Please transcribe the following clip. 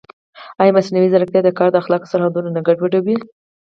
ایا مصنوعي ځیرکتیا د کار د اخلاقو سرحدونه نه ګډوډوي؟